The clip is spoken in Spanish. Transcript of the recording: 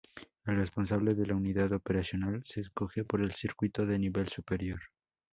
El responsable de la unidad operacional se escoge por el círculo de nivel superior.